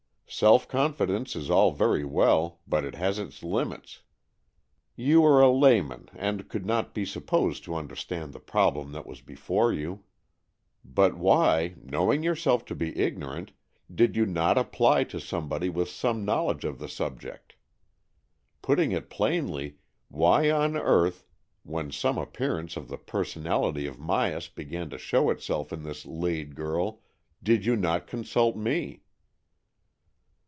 Self confidence is all very well, but it has its limits. You are a layman, and could not be supposed to understand the problem that was before you. But why. 226 AN EXCHANGE OF SOULS knowing yourself to be ignorant, did you not apply to somebody with some knowledge of the subject? Putting it plainly, why on earth, when some appearance of the per sonality of Myas began to show itself in this Lade girl, did you not consult me?"